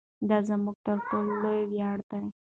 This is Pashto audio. دا زموږ تر ټولو لوی ویاړ دی.